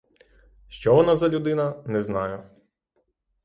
Що воно за людина — не знаю.